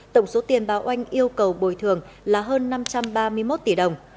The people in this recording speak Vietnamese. tổng số tiền báo oanh yêu cầu bồi thường là hơn năm trăm ba mươi một tỷ đồng